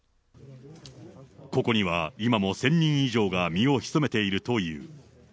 ここには今も１０００人以上が身を潜めているという。